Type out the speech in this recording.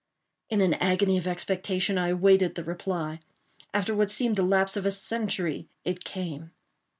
In an agony of expectation I awaited the reply. After what seemed the lapse of a century it came.